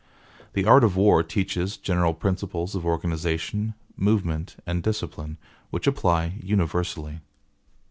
The art of war teaches general principles of organization, movement, and discipline, which apply universally.)